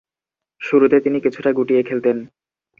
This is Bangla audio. শুরুতে তিনি কিছুটা গুটিয়ে খেলতেন।